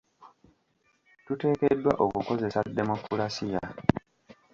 Tuteekeddwa okukozesa demokulasiya.